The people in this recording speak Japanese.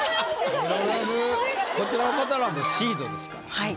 こちらの方らはもうシードですから。